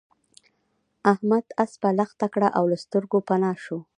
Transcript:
احمد اسپه لښته کړه او له سترګو پنا شو.